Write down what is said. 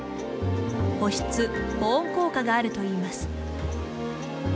保湿・保温効果があるといいます。